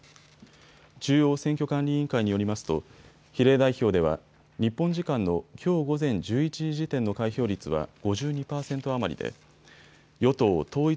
中央選挙管理委員会によりますと比例代表では日本時間のきょう午前１１時時点の開票率は５２％余りで与党統一